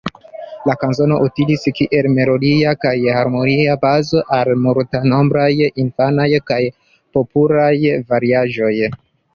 La kanzono utilis kiel melodia kaj harmonia bazo al multnombraj infanaj kaj popularaj variaĵoj.